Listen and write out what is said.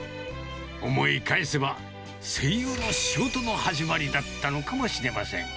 思い返せば、声優の仕事の始まりだったのかもしれません。